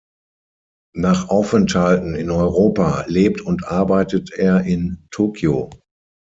Nach Aufenthalten in Europa lebt und arbeitet er in Tokio.